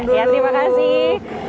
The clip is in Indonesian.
oke terima kasih